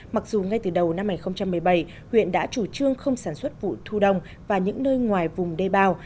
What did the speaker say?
mặc dù ngay từ đầu năm hai nghìn một mươi bảy huyện đã chủ trương không sản xuất vụ thu đông và những nơi ngoài vùng đê bao